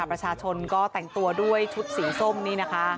ประชาชนก็แต่งตัวด้วยชุดสีส้มนี่นะคะ